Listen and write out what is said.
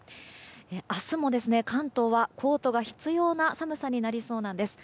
明日も関東はコートが必要な寒さになりそうなんです。